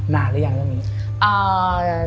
นานรึยังเรื่องนี้